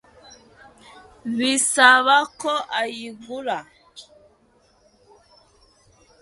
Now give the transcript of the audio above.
bisaba ko ayigura